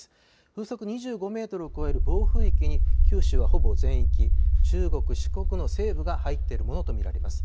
風速２５メートルを超える暴風域に九州は、ほぼ全域、中国、四国の西部が入っているものとみられます。